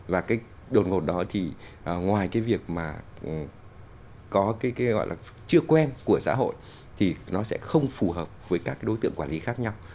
và cái đột ngột đó thì ngoài cái việc mà có cái gọi là chưa quen của xã hội thì nó sẽ không phù hợp với các đối tượng quản lý khác nhau